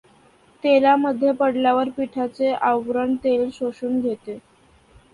तेलामध्ये पडल्यावर पिठाचे आवरण तेल शोषून घेते.